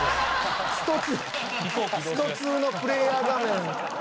『ストⅡ』のプレーヤー画面。